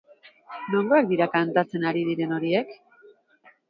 Nongoak dira kantatzen ari diren horiek?